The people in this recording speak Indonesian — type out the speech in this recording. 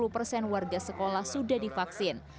lima puluh persen warga sekolah sudah divaksin